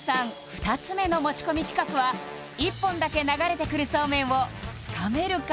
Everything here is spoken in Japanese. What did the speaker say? ２つ目の持ち込み企画は１本だけ流れてくるそうめんを掴めるか？